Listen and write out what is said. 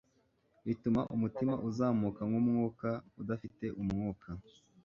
Bituma umutima uzamuka nkumwuka udafite umwuka